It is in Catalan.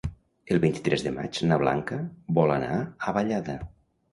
El vint-i-tres de maig na Blanca vol anar a Vallada.